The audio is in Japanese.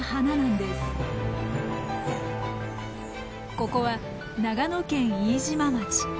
ここは長野県飯島町。